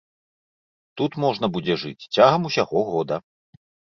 Тут можна будзе жыць цягам усяго года.